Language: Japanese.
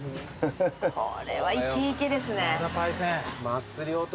これはイケイケですね。